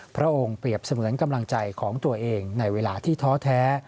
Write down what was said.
พระองค์เปรียบเสมือนกำลังใจของตัวเองในเวลาที่ท้อแท้